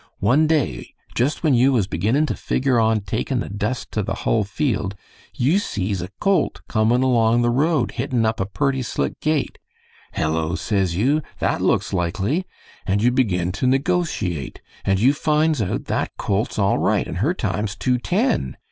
One day, just when you was beginnin' to figure on takin' the dust to the hull field, you sees a colt comin' along the road hittin' up a purty slick gait. 'Hello,' says you, 'that looks likely,' and you begin to negotiate, and you finds out that colt's all right and her time's two ten.